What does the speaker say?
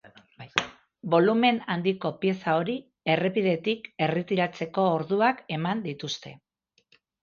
Bolumen handiko pieza hori errepidetik erretiratzeko orduak eman dituzte.